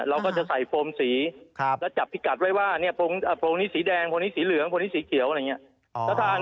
เราก็จะใส่โฟมสีแล้วจับพิกัดไว้ว่าโพงนี้สีแดงโพงนี้สีเหลืองพวกนี้สีเขียวอะไรอย่างนี้